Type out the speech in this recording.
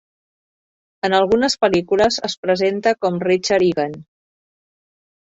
En algunes pel·lícules es presenta com Richard Eagan.